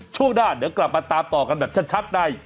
ช่วงหน้าเดี๋ยวกลับมาตามต่อกันแบบชัดใน